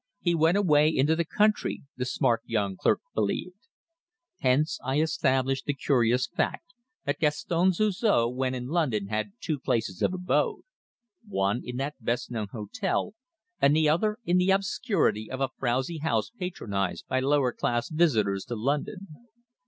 He went away into the country, the smart young clerk believed. Hence I established the curious fact that Gaston Suzor when in London had two places of abode, one in that best known hotel, and the other in the obscurity of a frowsy house patronized by lower class visitors to London.